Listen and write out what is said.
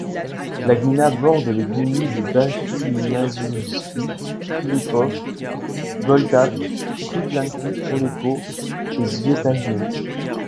La gmina borde les gminy de Banie Mazurskie, Filipów, Gołdap, Kruklanki, Olecko et Świętajno.